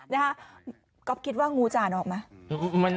นะฮะก๊อฟคิดว่างูจ่านออกไหม